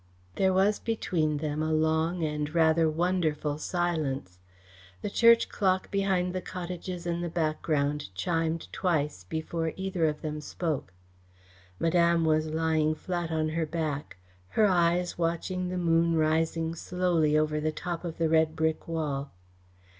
There was between them a long and rather wonderful silence. The church clock behind the cottages in the background chimed twice before either of them spoke. Madame was lying flat on her back, her eyes watching the moon rising slowly over the top of the red brick wall.